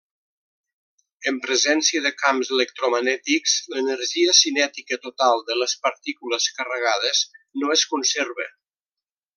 En presència de camps electromagnètics l'energia cinètica total de les partícules carregades no es conserva.